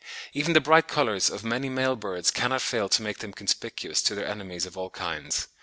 Even the bright colours of many male birds cannot fail to make them conspicuous to their enemies of all kinds.